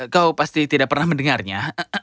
kau pasti tidak pernah mendengarnya